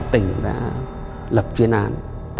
tỉnh đã lập chuyên án